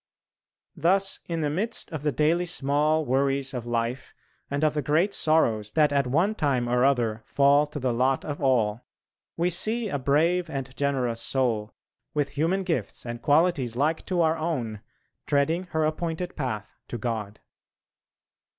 Thus in the midst of the daily small worries of life, and of the great sorrows that at one time or other fall to the lot of all, we see a brave and generous soul, with human gifts and qualities like to our own, treading her appointed path to God.